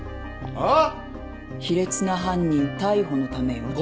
あっ。